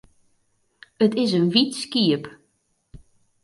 It is in wyt skiep.